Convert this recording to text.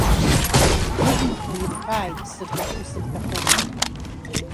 Быблақәа ирҳәааит, сырҭаху сырҭахыму…